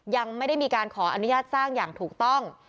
ยังไม่ได้มีการขออนุญาตสร้างอย่างถูกต้อง